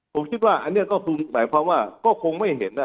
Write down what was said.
ผมคิดว่าอันเนี้ยก็แปลว่าก็คงไม่เห็นอ่ะ